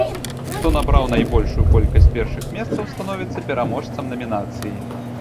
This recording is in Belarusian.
Хто набраў найбольшую колькасць першых месцаў становіцца пераможцам намінацыі.